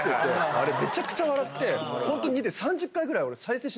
あれめちゃくちゃ笑ってホントに家で。